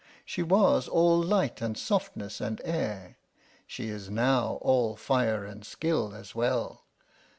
She was all light and softness and air; she is now all fire and skill as well.